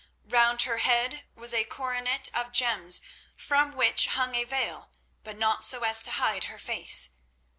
Round her head was a coronet of gems from which hung a veil, but not so as to hide her face.